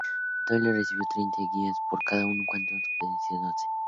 Doyle recibió treinta guineas por cada cuento de un pedido inicial de doce.